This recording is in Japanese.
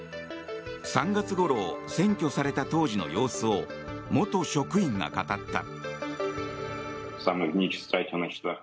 ３月ごろ占拠された当時の様子を元職員が語った。